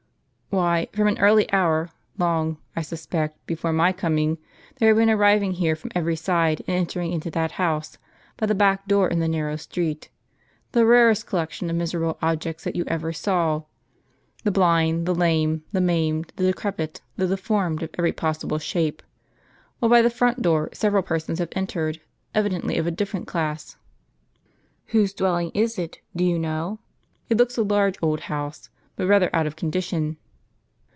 "Why, from an early hour, long, I suspect, before my coming, there have been arriving here from every side, and entering into that house, by the back door in the narrow The Vicus Patricias. 131 ffi w street, the rarest collection of miserable objects that you ever saw; the blind, the lame, the maimed, the decrepit, the deformed of every possible shape ; while by the front door several persons have entered, evidently of a different class." " Whose dwelling is it, do you know ? It looks a large old house, but rather out of condition."